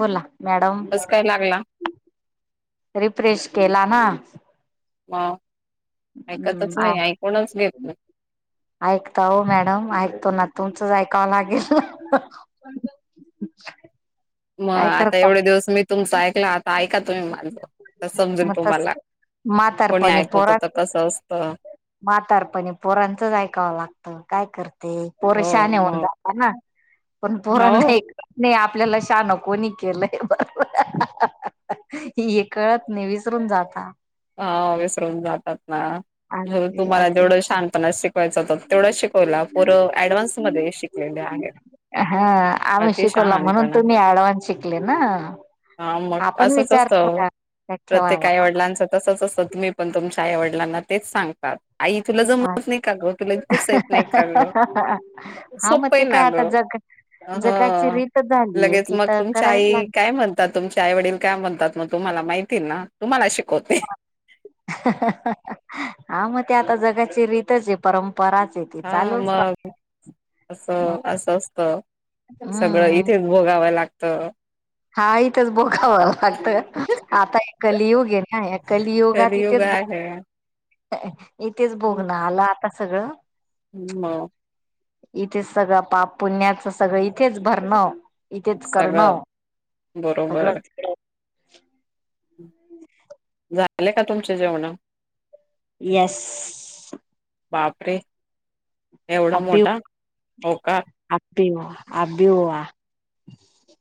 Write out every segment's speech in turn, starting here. बोला मॅडम, कस काय लागला रिफ्रेश केला ना. म ऐकतच हम्म नाही ऐकूनच घेतलं ऐकता हो मॅडम ऐकतो ना तुमचंच ऐकावं लागेल. पणत [unintelligible] मग आता एवढे दिवस मी तुमचा ऐकला आता ऐका तुम्ही माझ. तर समजेल मग तस तुम्हाला, कोणी म्हातारपणी ऐकवत पोरां तर कसं असत. म्हातारपणी पोरांचंच ऐकावं लागतं, काय करते पोर हो शाान होऊन मग जातात ना. पण पोरण हो नाही नाही आपल्याला शानं कोणी केलंय बरोबर. हे कळत नाही विसरून जाता. हा विसरून जातात ना, असे तुम्हाला असे जेवढं शानपना शिक शिकयच तेवढ शिकवला पोर ऍडव्हान्स मध्ये शिकलेले आहे. हा आम्ही शिकवला म्हणून तुम्ही ऍडव्हान्स शिकले ना. हा मग आपण असंच विचार असत करा प्रत्येक आई ठेवावा वडिलांच. तसंच अससं तुम्ही पण तुमच्या आई वडिलांना तेच सांगतात. आई तुला जमत नाही का ग, तुला इत्तू सा येत नाही का ग, हा मग सोपय ते ना काय आता ग. जग जगाची हो रीतच झालीय लगेच ती मग तर तुमच्या करावीच आई लागणार. काय म्हण आता तुमचे आई वडील काय म्हणतात मग तुम्हाला माहिती ना तुम्हाला शिकव [inaudible] हा मग ते आता जगाची रीतच आहे, परंपराच आहे. ती हा चालूच राहते मग अस असं असत सगळं हम्म इथे भोगाव लागत. हा इथेच भोगाव लागतं. आता एक कलियुग आहे ना या कलियुगात इथेच भो [unintelligible] इथेच भोघन आला आता सगळं. मग. इथेच सगळं पाप पुण्याचं सगळं इथेच भरण इथेच सगळं करणं बरोबर. सगळंच. झाले का तुमच्या जेवण. एस. बापरे! एवढा आबि मोठा होकार. आबि आबि हुआ.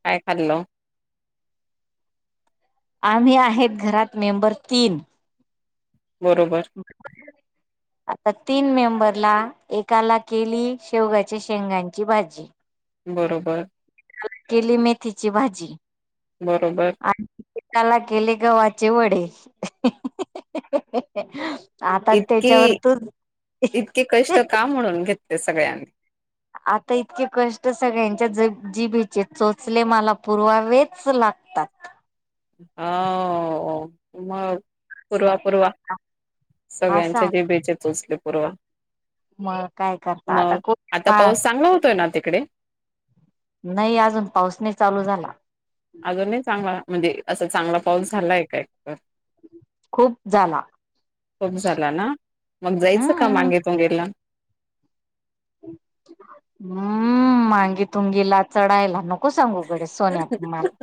काय खाल्ल. आम्ही आहेत घरात मेंबर तीन. बरोबर! [unintelligible] आता तीन मेंबरला एकाला केली शेवगाच्या शेंगांची भाजी. बरोबर! केली मेथीची भाजी. बरोबर! आणि त त्याला केले गव्हाचे वडे. आता त्याच्यावर इतकी इतके कष्ट का म्हणून घेत सगळ्यांनी. आता इतके कष्ट सगळ्यांच्या ज जिभेचे चोचले मला पुर्वावेच लागतात. हा मग. पूर्वा पूर्वा सगळ्यांचे असा जिभेचे चोचले पूर्वा. मग काय करता आता मग आता खूप पाऊस चांगला होतोय ना तिकडे? नाही अजून पाऊस नाही चालू झाला. अजूनही चांगला म्हणजे असा चांगला पाऊस झालाय का एकतर? खूप झाला कमी झाला ना मग जायचं का हम्म मागे गला [unintelligible] हम्म मांगे तुंगीला चढायला नको कस सांगू गडे सोन्यात माला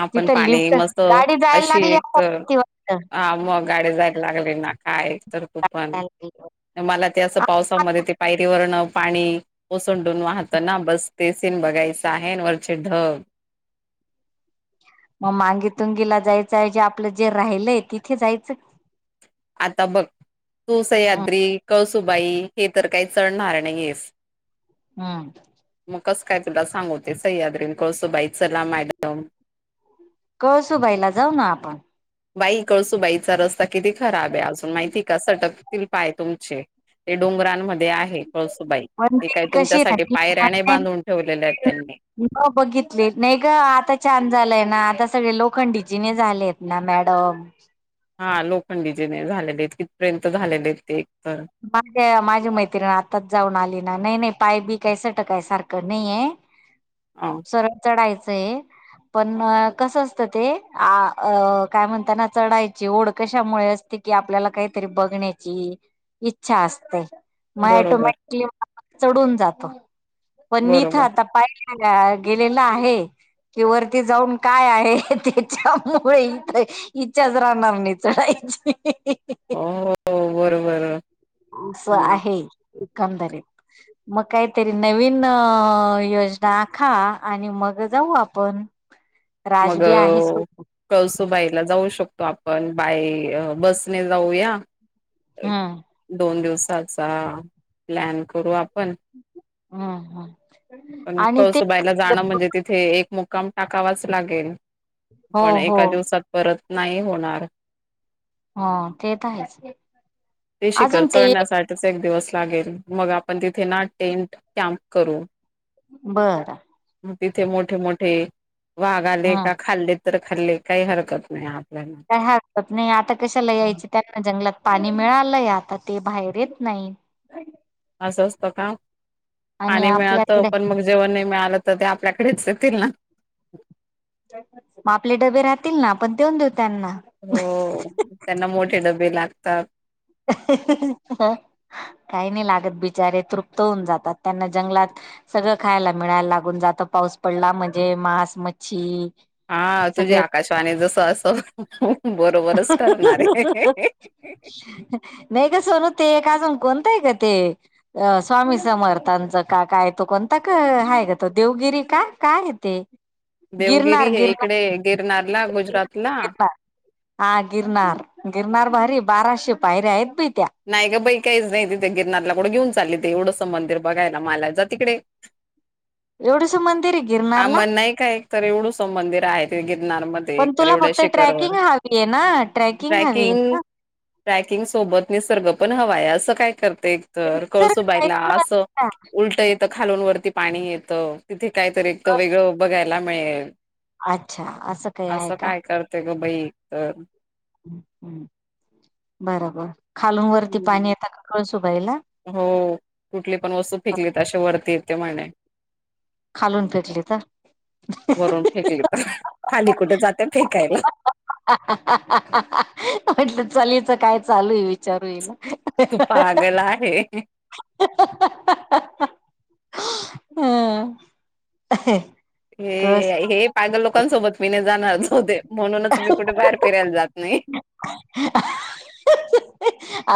आपण तिथं पाणी लिफ्ट मस्त गाडी जायला अशी लागली एक हा मग गाडी जायला लागली ना काय. तर तूपण मला ते असं पावसामध्ये ते पायरी वरन पाणी ओसंडून वाहतं ना बस ते सीन बघायचं आहे न वरचे ढग. मग मांगी तुंगीला जायचं आहे जे आपलं जे राहिलंय तिथे जायचं आता बघ तू हम्म सह्याद्री कळसुबाई हे तर काही चडणार नाही आहेस. हम्म. मग कसं काय तुला सांगवते सह्याद्रीन कळसूबाई चला मॅडम. कळसुबाईला जाऊ ना आपण बाई कळसुबाईचा रस्ता किती खराब आहे अजून माहिती का सटकतील पाय तुमचे ते डोंगरांमध्ये आहे कळसुबाई. पण ते ती काही कशी तुमच्यासाठी राहिली पायऱ्या नाही बांधून ठेवलेल्या आहेत त्यांनी हो बघितले नाही गं आता छान झालंय ना आता सगळे लोखंडी जीने झालेत. ना मॅडम हा लोखंडी जीने झालेले आहेत कितपर्यंत झालेले आहेत ते एक तर बाकी काय माझी मैत्रिण आत्ताच जाऊन आली ना नाही नाही पाय बी काय सटकाय सारखं नाहीये. [unintelligible] हा. सरळ चढायचंय. पण अ कसं असतं ते आ अ काय म्हणताना चढायची ओढ कशामुळे असती कि आपल्याला काहीतरी बघण्याची इच्छा असते मग बरोबर ऑटोमॅटिकली चढून जातो. पण इथं बरोबर आता पायरी न गेलेला आहे. कि वरती जाऊन काय आहे त्याच्यामुळे इथे इच्छाच राहनार नाही चढायची. हो बरोबर. असं आहे एकंदरीत. मग काहीतरी नवीन अ योजना आखा आणि मग जाऊ आपण. ह [inaudible] मग ओ कळसुबाईला जाऊ शकतो आपण बाय बसने जाऊया. हम्म दोन दिवसाचा प्लॅन करू आपण हम्म हम. पण कळसुबाईला जाणं म्हणजे तिथे एक मुक्काम टाकावाच लागेल. हो पण हो एका दिवसांत परत नाही होणार. हा ते तर आहेच. ते शिखर अजून ते चढण्यासाठीच एक दिवस लागेल मग आपण तिथे ना टेंट कॅम्प करू. बरं. तिथे मोठे मोठे वाघ आले हम्म का खाल्लेत तर खाल्ले काही हरकत नाही. आपल्याला काय हरकत नाही आता कशाला यायची त्यांना जंगलात पाणी मिळालंय आता ते बाहेर येत नाहीत. असं असतं का आणि पाणी मिळात आपल्याकडे पण मग जेव्हा नाही मिळालं तर ते आपल्याकडेच येतील ना. मग आपले डबे राहतील ना आपण देऊन देऊ त्यांना हो त्यांना मोठे डबे लागतात. हा. काही नाही लागत बिचारे तृप्त होऊन जातात त्यांना जंगलात. सगळं खायला मिळायला लागून जातं पाऊस पडला म्हणजे मांस मच्छी हा तुझी सगळे आकाशवाणी जसं असं बरोबरच ठरणार आहे. [unintelligible] नाही गं सोनू ते एक अजून कोणतं आहे कते अ स्वामी समर्थांचं का काय तो कोणता का आहेय का त देवगिरी का काय ते देवगिरी गिरनार हे गिरनार इकडे गिरनारला गुजरात ला गिरनार हा गिरनार गिरनार भारी बाराशे पायऱ्या आहेत बी त्या नाही गं बाई काहीच नाही तिथे गिरनारला कुठं घेऊन चालली ते एवढंसं मंदिर बघायला मला जा तिकडे एवढस मंदिर आहे गिरनारला आमण नाही का एक तर एवढुसं मंदिर आहे ते गिरनार मध्ये पण तर तुला एवढेसे फक्त शिखरवर ट्रॅकिंग हवी आहे ना ट्रॅकिंग हवी रॅकिंग आहे रॅकिंग सोबत निसर्ग पण हवा आहे असं काय करते. तर कळसोबाईला असं ना उलटं येतं खालून वरती पाणी येतं. तिथे काहीतरी एक तर वेगळं बघायला मिळेल अच्छा काही आहे असं का काय करत. ते गं बाई तर बरोबर खालून वरती हम्म. पाणी येतता का कळ सुबायला हो कुठली पण वस्तू पिकली तशे वरती येते म्हणे. खालून फेटली तर भरून फेकली पण खाली कुठे जाते फेकायला म्हटलं चलीच काय चालू आहे विचारू ये ना. तू पागला आहे. हं कस हे हे पागल लोकांसोबत मी नाही जाणारच होते म्हणूनच मी कुठे बाहेर फिरायला जात नाही.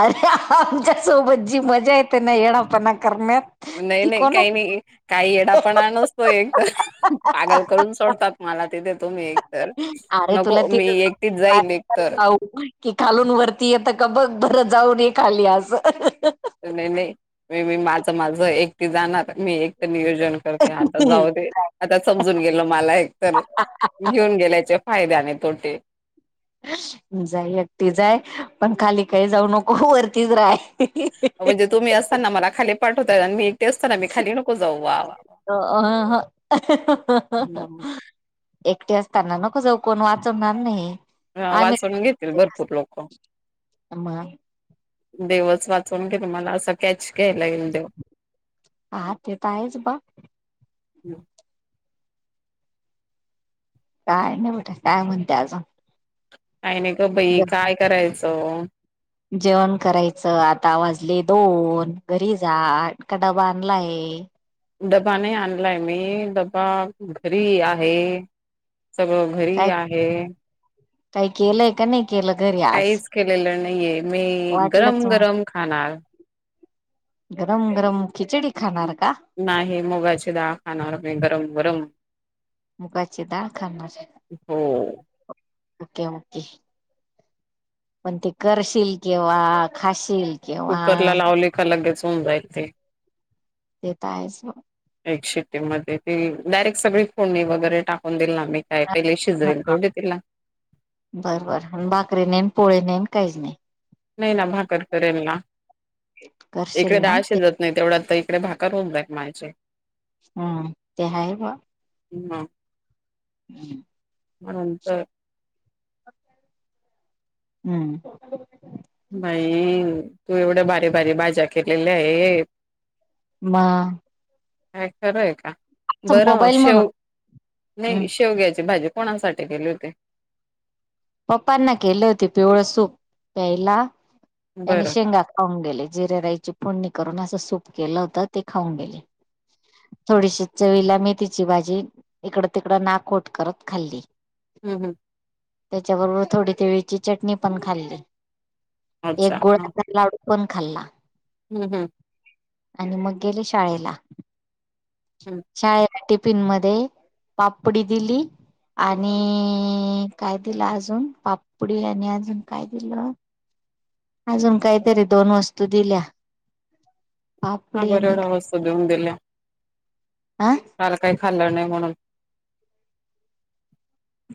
अरे आमच्या सोबत जी मजा आहे ते ना येळापणा करण्यातत. नाही नाही काही नाही. काही येडा पणा नसतो एक तर पागल करून सोडतात मला ते देतो मी एकतर अरे तुला नको ति मी जाऊ. एकटीच जाईल एकतर बा खालून वरती येत का बघ बरं जाऊन ये खाली आज नाही नाही म म माझं माझं एकट जाणार मी एक तर नियोज करते आता जाऊ ते आता समजून गेल मला एक तर घेऊन गेल्याचे फायद्याने तोटे जाई एकटीच. म्हणजे तुम्ही असताना मला खाली पाठवताय आणि मी असताना मी खाली नको जाऊ वा अ हं. वा एकटे असताना नको जाऊ कोण वाचवणार नाही. अ आम्ही वाचवून घेतील भरपूर लोकं. मग देवस वाचवून घेल मला असा कॅच घ्यायला येईल देवस हा ते तर आहे. काय नाही बठा काय म्हणते आजं आहे नाही ग भाई काय करायचं. जेवण करायचं आता वाजले दोन घरी जाट का डबा आणलाय. डबा नाही आणलाय मी डबा घरी आहे सगळ. घरी काय आहे. काही केलंय का नाही. केलं घ. काहीच केलेलं नाहीये मी वाटलंच गरम मग गरम खाणार. गरम गरम खिचडी खाणार का? नाही मुगाची दाळ खाणारवर म गरम गरम मुकाायचे दाळखानना हो ओके ओके. पण ते करशील किंवा खाशील. कुकर ला केव्हा लावले का लगेच होऊन जाय ते देता आहे स एक शिट्टीमध्येध्ये ती डायरेक्ट सगळी फोणी वगैरे टाकून दिल ना मी काय पहिले शिज्रेल तोडितला बरं बर बाकरी नेन पोळे नेन काहीच नाही नाही ना भाकर करेल ना करशील एकदा ना असे ते जात नाही तेवढं आता इकडे भाकार होऊन जाय माझचे हम्म ते हय प ह् हम् मंतर हम्म बाई तू एवढ्या भारी बारी बाज्या केलेल्या आहे म खरं आहे का बरं मोबाईल शेव म्हणून नाही शेवग्याची भाजी कोणासाठी गेली होती पप्पांना केले होते पिवळ सूप प्यायला आणि बरं शेंगा खाऊन गेले जिरे राईची फोडणी करून असं सूप केलं होतं ते खाऊन गेले थोडीशी चवीला मी तिची भाजी इकड तिकडं नाकोट करत खाल्ली हं हं त्याच्याबरोबर थोडी तिळीची चटणी पण खाल्ली एक अच्छा हां गुळाचा लाडू पण खाल्ला हं हं आणि मग गेले शाळेला हं शाळेत टिफिन मध्ये पापडी दिली. आणि काय दिला अजून पा पुढ यांनी अजून काय दिलं? अजून काहीतरी दोन वस्तू दिल्या हा पापडी बर [inaudible] आणि वड असस्त उम [inaudible] देला आ काल काही खाल्लं नाही म्हणून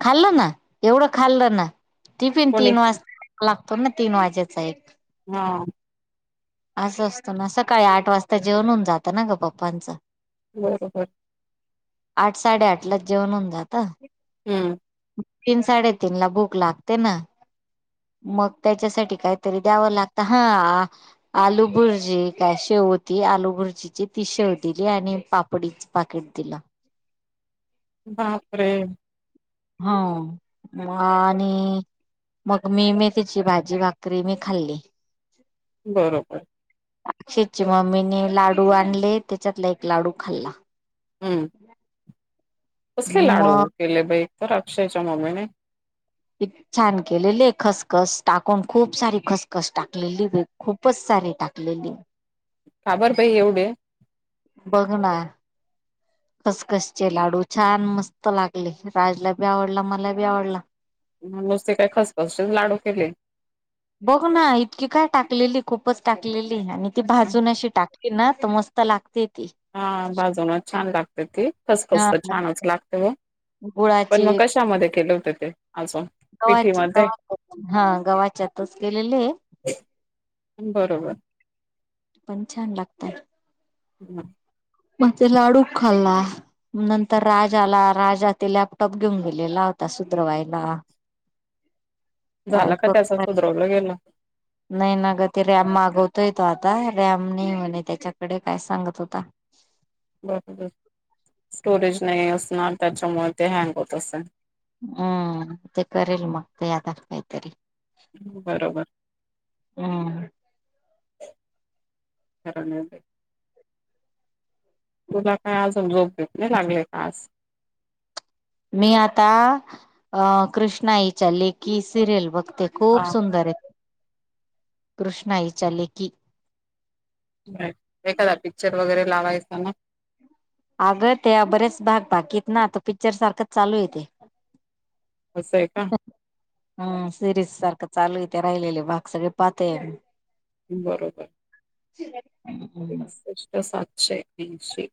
खाल्लं ना एवढं खाल्लं ना टिफिन कोणी? तीन वाजता लागतो ना तीन वाजेचा एक हा असं असतं ना सकाळी आठ वाजता जेवण होऊन जातं ना ग पप्पांचं हो हो आठ साडेआठलाच जेवण होऊन जात हं तीन साडेतीन ला भूक लागते ना मग त्याच्यासाठी काहीतरी द्यावं लागत हा आलू भुर्जी काय? शेव होती आलू भुर्जी ती शेव दिली आणि पापडीच पाकेट दिलं बापरे हा म आणि मग मेथीची भाजी भाकरी मी खाल्ली बरोबर अक्षय ची मम्मीने लाडू आणले त्याच्यातला एक लाडू खाल्ला हं कसले लाडू मग केले बाई तर अक्षयच्या मम्मीने छान केलेली आहे खसखस टाकून खूप सारी खसखस टाकलेली वे खूपच सारी टाकलेलीये. का बर ताई एवढे? बघ ना. खसखसचे लाडू छान मस्त लागले राजलाभी आवडला मलाभी आवडला. नुसते काही खसखसचे लाडू केले. बघ ना इतकी काय टाकलेली खूपच टाकलेली आणि ती भाजून अशी टाक तिना तर मस्त लागते ती. हा भाजुनच छान लागते ते खस हा खस तर छानच लागते ओ. पण गुळाची मग कशामध्ये केले होत ते अजून गव्हा पिठीमध्ये? गव्हाच्या हा गव्हाच्यातच केेलेले. बरोबर. पण छान लागतय. [unintelligible] मग ते लाडू खाल्ला. नंतर राजा आला राजा ते लॅपटॉप घेऊन गेलेला होता सुधरावाईला. अ झाला का त्याचा [unintelligible] सुधरवलं गेलं नाही ना ग ते रॅम मागवतोय तो आता रॅम नाही म्हणे त्याच्याकडे काय सांगत होता. [inaudible] बरोबर स्टोरेज नाही असणार त्याच्यामुळे ते हँग होत असेल. आआ ते करेल मग ते आता काहीतरी बरोबर हम्म ह [unintelligible] तुला काय आजून झोप बिप नाही लागले का आज? मी आता अ कृष्णाईच्या लेकी सिरियल बघते. खूप हा सुंदर आहे कृष्णाईच्या लेकी. एखादा पिक्चर वगैरे लावायचा ना. अगं ते बरेच भाग बाकीत ना तो पिक्चर सारखंच चालूये ते. असं आहे का? हम्म सिरीज सारखं चालू आहे राहिलेले भाग सगळे पाहतेय आम्ही. बरोबर. [unintelligible] पृष्ट सातशे ऐशी